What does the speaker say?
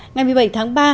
ngày một mươi bảy tháng ba